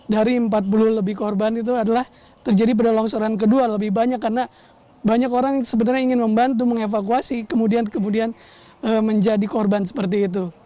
dari empat puluh lebih korban itu adalah terjadi pada longsoran kedua lebih banyak karena banyak orang yang sebenarnya ingin membantu mengevakuasi kemudian menjadi korban seperti itu